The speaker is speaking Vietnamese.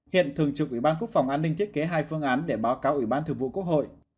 hiện thường trực ủy ban quốc phòng an ninh thiết kế hai phương án để báo cáo ủy ban thường vụ quốc hội